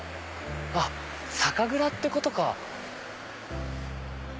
酒蔵ってことか。